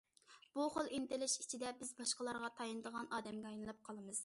بۇ خىل ئىنتىلىش ئىچىدە بىز باشقىلارغا تايىنىدىغان ئادەمگە ئايلىنىپ قالىمىز.